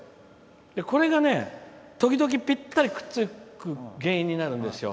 これが時々、ぴったしくっつく原因になるんですよ。